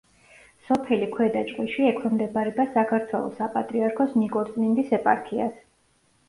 სოფელი ქვედა ჭყვიში ექვემდებარება საქართველოს საპატრიარქოს ნიკორწმინდის ეპარქიას.